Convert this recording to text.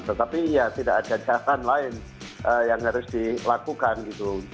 tetapi ya tidak ada jalan lain yang harus dilakukan gitu